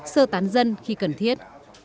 sơ tán dân khi cần thiết